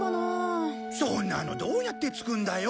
そんなのどうやって作るんだよ？